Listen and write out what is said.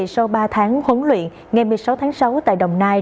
sau ba tháng huấn luyện ngày một mươi sáu tháng sáu tại đồng nai